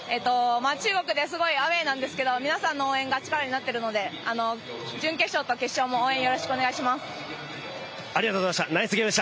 中国でアウェーなんですけど皆さんの応援が力になっているので、準決勝と決勝も応援よろしくお願いします。